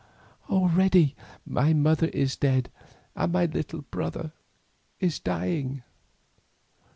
Already my mother is dead and my little brother is dying."